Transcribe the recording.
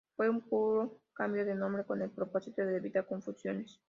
Fue un puro cambio de nombre con el propósito de evitar confusiones.